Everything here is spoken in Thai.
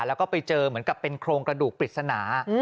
แล้วก็ไปเจอเหมือนกับเป็นโครงกระดูกปริศนา